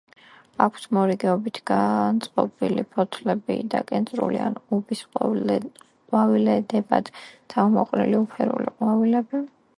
აქვთ მორიგეობით განწყობილი ფოთლები და კენწრულ ან უბის ყვავილედებად თავმოყრილი უფერული ყვავილები.